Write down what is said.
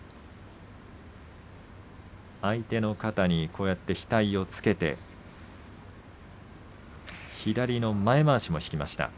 相手の肩に額をつけて左の前まわしも引きました。